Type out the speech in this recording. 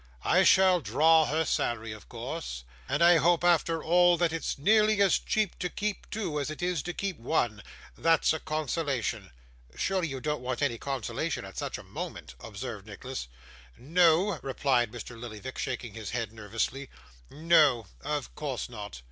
'I shall draw her salary, of course, and I hope after all that it's nearly as cheap to keep two as it is to keep one; that's a consolation.' 'Surely you don't want any consolation at such a moment?' observed Nicholas. 'No,' replied Mr. Lillyvick, shaking his head nervously: 'no of course not.